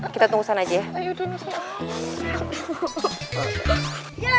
kita tunggu sana aja ya